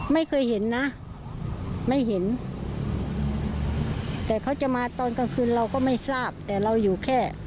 ไม่เคยเห็นนะไม่เห็นแต่เขาจะมาตอนกลางคืนเราก็ไม่ทราบแต่เราอยู่แค่